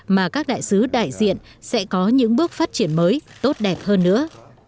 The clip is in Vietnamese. mà các đại sứ đại diện sẽ có những bước phát triển mới tốt đẹp hơn nữa